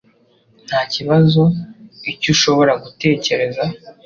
Ntakibazo icyo ushobora gutekereza